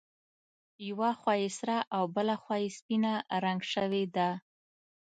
یوه خوا یې سره او بله خوا یې سپینه رنګ شوې ده.